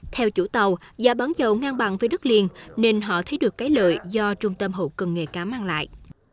theo chủ tàu giá bán dầu ngang bằng với đất liền nên họ thấy được cái lợi do trung tâm hậu cần nghề cá mang lại